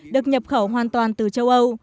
được nhập khẩu hoàn toàn từ châu âu